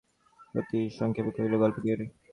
সতীশ সংক্ষেপে কহিল, গল্প করি।